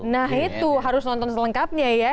nah itu harus nonton selengkapnya ya